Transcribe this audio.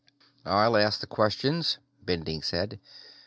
"I'll ask the questions," Bending said.